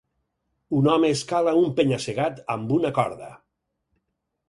Un home escala un penya-segat amb una corda